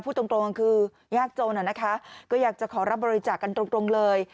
พูดตรงคือยากจนนะคะก็อยากจะขอรับบริจาคกันตรงเลย